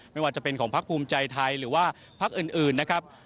ไม่ว่าจะเป็นของพักภูมิใจไทยหรือว่าพักอื่นนะครับ